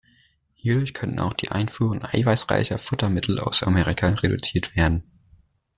Hierdurch könnten auch die Einfuhren eiweißreicher Futtermittel aus Amerika reduziert werden.